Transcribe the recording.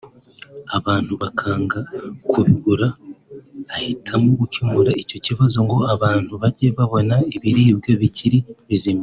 abantu bakanga kubigura ahitamo gukemura icyo kibazo ngo abantu bajye babona ibiribwa bikiri bizima